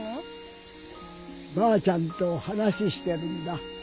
ばあちゃんと話してるんだ。